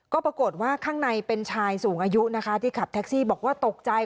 ก็ปรากฏว่าข้างในเป็นชายสูงอายุนะคะที่ขับแท็กซี่บอกว่าตกใจ